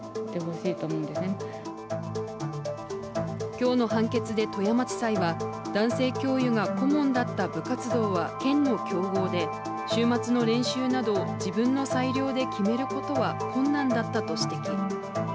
今日の判決で富山地裁は男性教諭が顧問だった部活動は県の強豪で、週末の練習などを自分の裁量で決めることは困難だったと指摘。